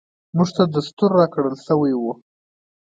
موږ ته دستور راکړل شوی دی .